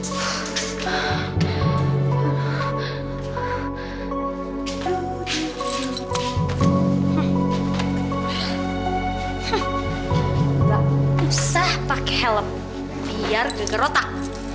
hmm hmm enggak usah pakai helm biar digerotak